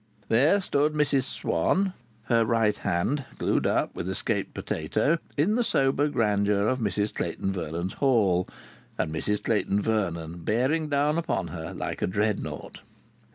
There stood Mrs Swann, her right hand glued up with escaped potato, in the sober grandeur of Mrs Clayton Vernon's hall, and Mrs Clayton Vernon bearing down upon her like a Dreadnought.